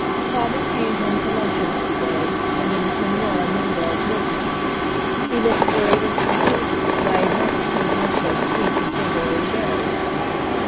Father came home to luncheon that day, bringing Señora Mendez with him. He looked worried and tired, but I had never seen her so sweet, and so very gay.